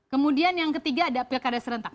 kemudian yang ketiga ada pilkada serentak